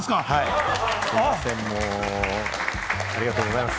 すみません、もうありがとうございます。